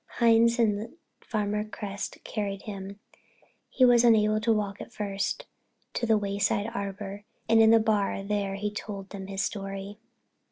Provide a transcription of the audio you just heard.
Hines and Farmer Cresset carried him—he was unable to walk at first—to the Wayside Arbor and in the bar there he told them his story.